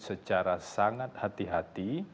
secara sangat hati hati